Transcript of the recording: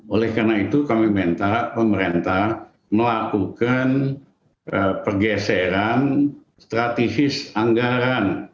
oleh karena itu kami minta pemerintah melakukan pergeseran strategis anggaran